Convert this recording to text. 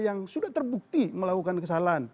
yang sudah terbukti melakukan kesalahan